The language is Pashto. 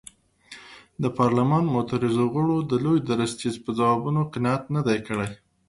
د پارلمان معترضو غړو د لوی درستیز په ځوابونو قناعت نه دی کړی.